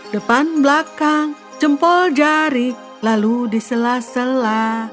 depan belakang jempol jari lalu disela sela